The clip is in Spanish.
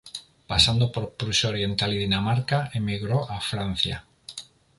Pasando por Prusia Oriental y Dinamarca, emigro a Francia.